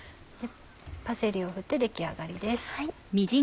パセリを振って出来上がりです。